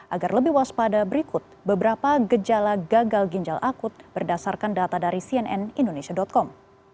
agar lebih waspada berikut beberapa gejala gagal ginjal akut berdasarkan data dari cnn indonesia com